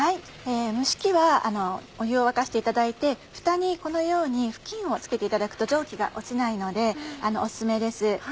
蒸し器は湯を沸かしていただいてフタにこのように布巾をつけていただくと蒸気が落ちないのでおすすめです。